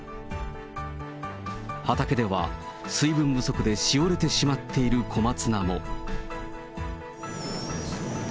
畑では、水分不足でしおれてしまっている小松菜も。